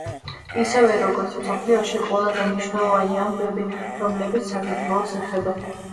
ისევე როგორც, მსოფლიოში ყველაზე მნიშვნელოვანი ამბები, რომლებიც საქართველოს ეხება.